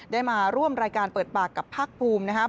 ได้มาร่วมรายการเปิดปากกับภาคภูมินะครับ